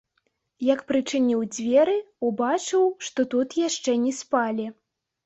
Як прычыніў дзверы, убачыў, што тут яшчэ не спалі.